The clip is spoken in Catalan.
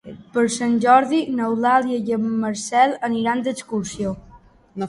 Per Sant Jordi n'Eulàlia i en Marcel aniran d'excursió.